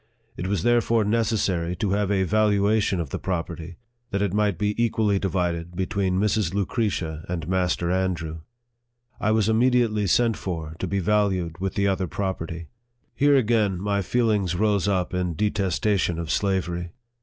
It was there fore necessary to have a valuation of the property, that it might be equally divided between Mrs. Lucretia and Master Andrew. I was immediately sent for, to LIFE OF FREDERICK DOUGLASS. 45 be valued with the other property. Here again my feelings rose up in detestation of slavery.